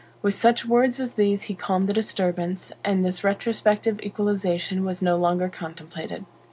With such words as these he calmed the disturbance, and this retrospective equalization was no longer contemplated.